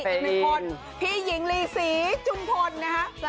เป็นคนพี่หญิงลีศรีจุมพลนะฮะ